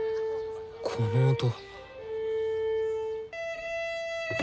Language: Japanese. この音。